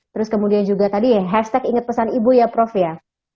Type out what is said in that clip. terus kemudian juga tadi ya hashtag ingat pesan ibu ya prof ya